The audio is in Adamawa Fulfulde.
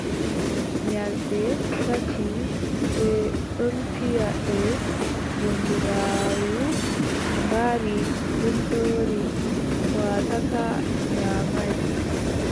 Nyalɗe tati ɓe ɗon piya ɗe bundugaaru ngaari ɗon jooɗi, waatataa, nyaamay.